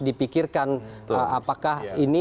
dipikirkan apakah ini